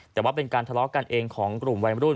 แต่ว่าเป็นการทะเลาะกันเองของกลุ่มวัยรุ่น